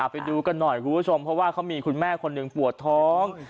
ไปดูกันหน่อยคุณผู้ชมเพราะว่าเขามีคุณแม่คนหนึ่งปวดท้อง